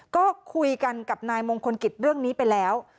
ก็คุยกันกับนายมงคลกิจเรื่องนี้ไปแล้ว